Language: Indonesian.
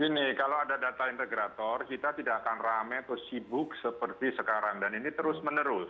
gini kalau ada data integrator kita tidak akan rame atau sibuk seperti sekarang dan ini terus menerus